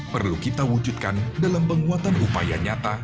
perlu kita wujudkan dalam penguatan upaya nyata